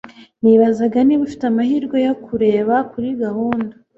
nibazaga niba ufite amahirwe yo kureba kuri gahunda